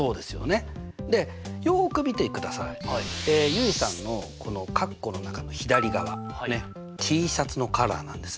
結衣さんのこの括弧の中の左側Ｔシャツのカラーなんですね。